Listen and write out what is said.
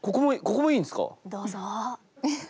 どうぞ。